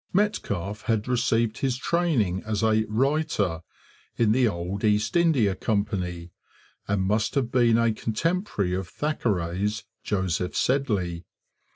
Metcalfe had received his training as a 'writer' in the old East India Company and must have been a contemporary of Thackeray's Joseph Sedley.